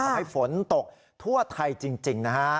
ฝนตกทั่วไทยจริงนะฮะ